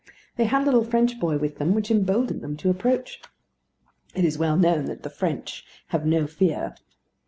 They had a little French boy with them, which emboldened them to approach. It is well known that the French have no fear.